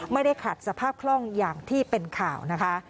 ไม่ได้ขัดสภาพคล่องอย่างที่เป็นข่าวนะคะ